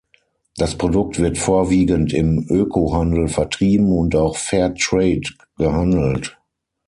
Das Produkt wird vorwiegend im Öko-Handel vertrieben und auch Fair trade gehandelt.